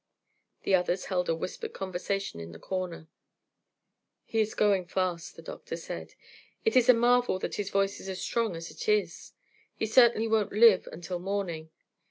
The others held a whispered conversation in the corner. "He is going fast," the doctor said. "It is a marvel that his voice is as strong as it is. He certainly won't live till morning.